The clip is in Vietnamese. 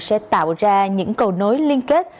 sẽ tạo ra những cầu nối liên kết